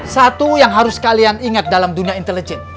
satu yang harus kalian ingat dalam dunia intelijen